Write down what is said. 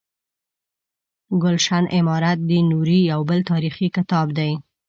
ګلشن امارت د نوري یو بل تاریخي کتاب دی.